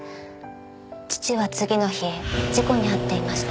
父は次の日事故に遭っていました。